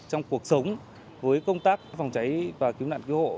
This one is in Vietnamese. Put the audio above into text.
trong cuộc sống với công tác phòng cháy và cứu nạn cứu hộ